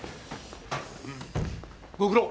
ご苦労。